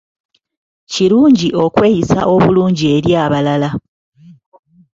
Kirungi okweyisa obulungi eri abalala.